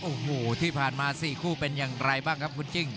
โอ้โหที่ผ่านมา๔คู่เป็นอย่างไรบ้างครับคุณจิ้ง